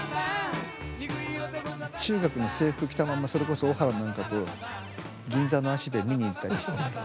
中学の制服着たままそれこそ小原なんかと銀座のＡＣＢ見に行ったりしてね。